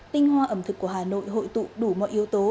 tinh hoa ẩm thực của hà nội hội tụ đủ mọi yếu tố